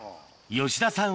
吉田さん